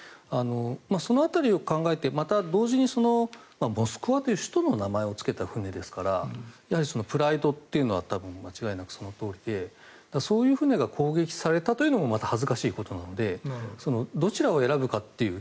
その辺りを考えてまた同時にモスクワという首都の名前をつけた船ですからプライドというのは間違いなくそのとおりでそういう船が攻撃されたというのもまた恥ずかしいことなのでどちらを選ぶかという。